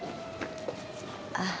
あっ。